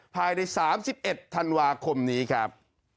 ภายใน๓๑ธันวาคมนี้ครับ